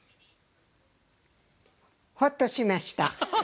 ほっとしました。